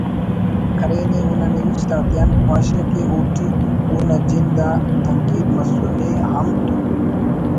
کرینے اونا نوشت آتیان پاش ءِ کہ اوٹی اونا جند آ تنقید مسنے ہم تو